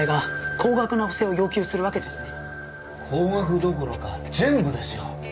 高額どころか全部ですよ！